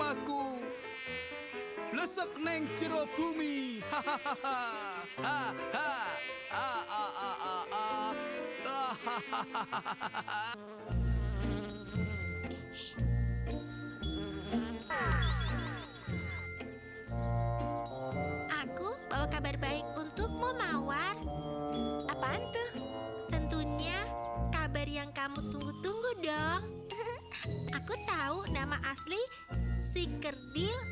aku ponti aku tikus yang dulu pernah nolongin kamu